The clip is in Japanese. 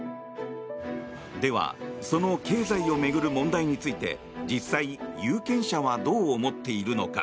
では、その経済を巡る問題について実際、有権者はどう思っているのか。